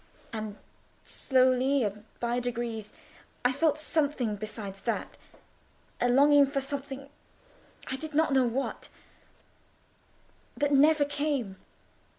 And slowly, and by degrees, I felt something besides that: a longing for something—I did not know what—that never came.